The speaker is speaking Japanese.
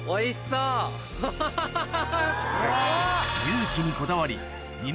ハハハハハ。